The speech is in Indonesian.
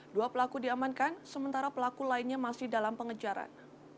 dua pelaku diamankan sementara pelaku lainnya masih dalam pengejaran